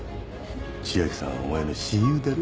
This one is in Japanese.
千秋さんはお前の親友だろ？